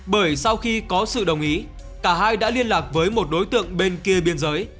bởi sau khi có sự đồng ý cả hai đã liên lạc với một đối tượng bên kia biên giới